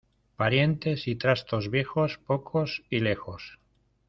Parientes y trastos viejos, pocos y lejos.